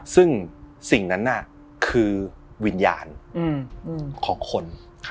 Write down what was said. ซึ่งสิ่งนั้นคือวิญญาณของคน